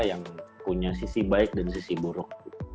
yang punya sisi baik dan sisi buruk